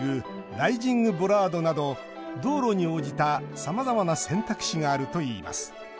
ライジングボラードなど道路に応じた、さまざまな選択肢があるといいます。